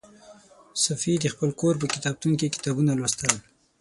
صوفي د خپل کور په کتابتون کې کتابونه لوستل.